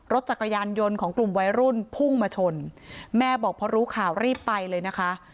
รถจักรยานยนต์ของกลุ่มวัยรุ่นพุ่งมาชนแม่บอกพอรู้ข่าวรีบไปเลยนะคะ